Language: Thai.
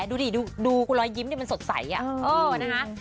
ดูดิดูกูล้อยยิ้มเนี่ยมันสดใสอ่ะโอ้นะคะ